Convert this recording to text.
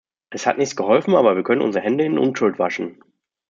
Es hat nichts geholfen, aber wir können unsere Hände in Unschuld waschen.